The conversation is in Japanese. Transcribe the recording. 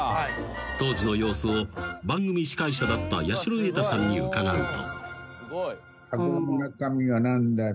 ［当時の様子を番組司会者だった八代英太さんに伺うと］